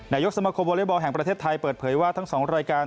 นายกสมคมวอเล็กบอลแห่งประเทศไทยเปิดเผยว่าทั้ง๒รายการ